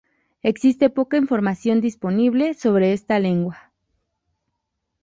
Existe poca información disponible sobre esta lengua.